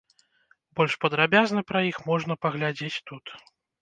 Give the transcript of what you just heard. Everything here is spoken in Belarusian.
Больш падрабязна пра іх можна паглядзець тут.